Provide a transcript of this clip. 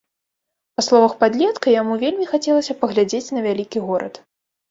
Па словах падлетка, яму вельмі хацелася паглядзець на вялікі горад.